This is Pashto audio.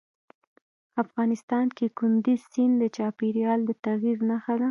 افغانستان کې کندز سیند د چاپېریال د تغیر نښه ده.